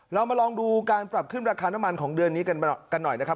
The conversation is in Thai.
เรามาลองดูการปรับขึ้นราคาน้ำมันของเดือนนี้กันหน่อยนะครับ